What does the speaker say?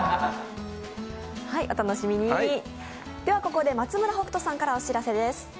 ここで松村北斗さんからお知らせです。